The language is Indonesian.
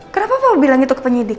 kenapa kamu bilang itu ke penyidik